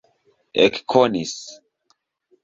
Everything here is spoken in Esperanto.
ekkonis